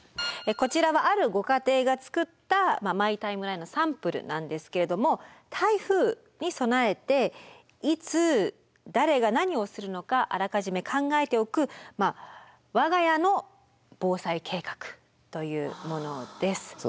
こちらはあるご家庭が作ったマイ・タイムラインのサンプルなんですけれども台風に備えていつ誰が何をするのかあらかじめ考えておくまあそうですね。